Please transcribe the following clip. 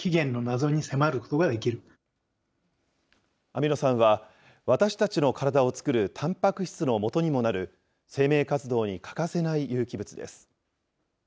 アミノ酸は、私たちの体を作るたんぱく質のもとにもなる生命活動に欠かせない有機物です。